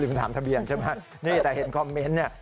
ถึงถามทะเบียนใช่ไหมนี่แต่เห็นคอมเมนต์เนี่ย